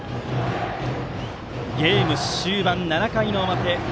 ゲーム終盤、７回の表。